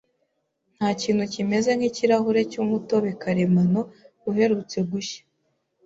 Ntakintu kimeze nkikirahure cyumutobe karemano, uherutse gushya.